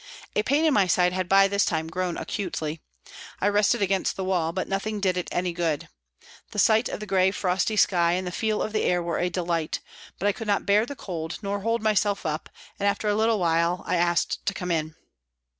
A pain in my side had by this time grown acutely. I rested against the wall, but nothing did it any good. The sight of the grey, frosty sky and the feel of air were a delight, but I could not bear the cold nor hold 286 PRISONS AND PRISONERS myself up, and after a little while I asked to come in.